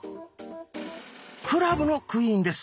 クラブのクイーンです。